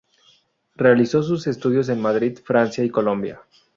Realizó sus estudios en Madrid, Francia y Colombia.